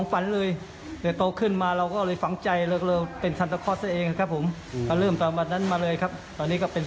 แต่ต้องโดนคุณแม่บ่น